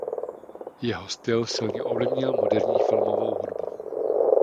Jeho styl silně ovlivnil moderní filmovou hudbu.